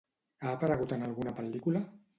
Ha aparegut en alguna pel·lícula?